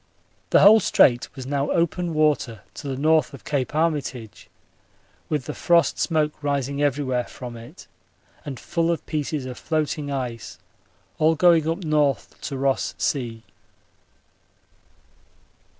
The whole Strait was now open water to the N. of Cape Armitage, with the frost smoke rising everywhere from it, and full of pieces of floating ice, all going up N. to Ross Sea.